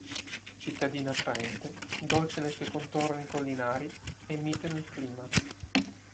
Cittadina attraente, dolce nei suoi contorni collinari e mite nel clima.